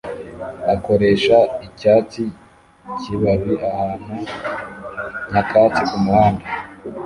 akoresha icyatsi kibabi ahantu nyakatsi kumuhanda